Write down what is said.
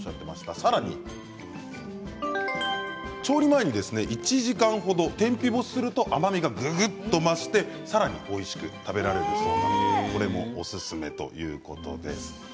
さらに、調理前に１時間程、天日干しすると甘みがぐぐっと増してさらにおいしく食べれるそうなのでこれもおすすめということです。